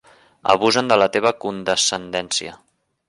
Abusen de la teva condescendència.